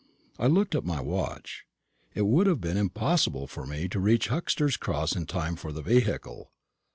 I looked at my watch. It would have been impossible for me to reach Huxter's Cross in time for the vehicle.